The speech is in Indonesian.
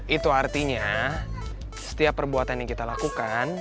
itu artinya setiap perbuatan yang kita lakukan